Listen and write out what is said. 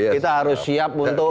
kita harus siap untuk